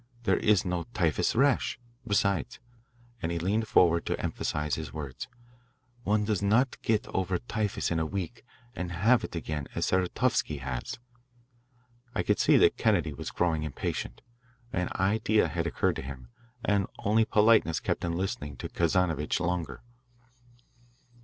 There is no typhus rash. Besides" and he leaned forward to emphasise his words " one does not get over typhus in a week and have it again as Saratovsky has." I could see that Kennedy was growing impatient. An idea had occurred to him, and only politeness kept him listening to Kazanovitch longer.